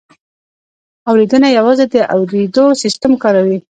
اورېدنه یوازې د اورېدو سیستم کاروي